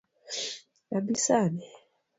Abi sani?